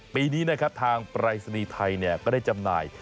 ปีนี้ทางปลายศนีย์ไทยก็ได้จำหน่าย